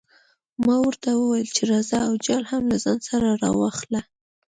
ما ورته وویل چې راځه او جال هم له ځان سره راواخله.